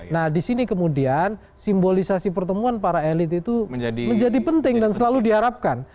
nah di sini kemudian simbolisasi pertemuan para elit itu menjadi penting dan selalu diharapkan